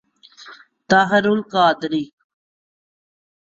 Tahir al-Qadri